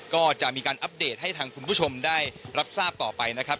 ก็จะมีการอัปเดตให้ทางคุณผู้ชมได้รับทราบต่อไปนะครับ